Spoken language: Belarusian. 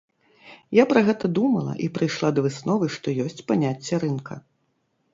Я пра гэта думала, і прыйшла да высновы, што ёсць паняцце рынка.